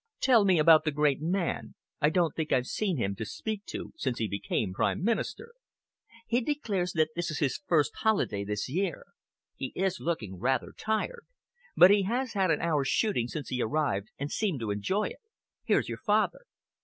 "Tell me about the great man? I don't think I've seen him to speak to since he became Prime Minister." "He declares that this is his first holiday this year. He is looking rather tired, but he has had an hour's shooting since he arrived, and seemed to enjoy it. Here's your father."